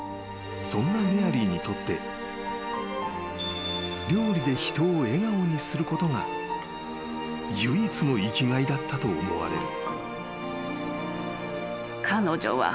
［そんなメアリーにとって料理で人を笑顔にすることが唯一の生きがいだったと思われる］